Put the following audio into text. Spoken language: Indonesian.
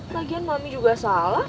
lagian mami juga salah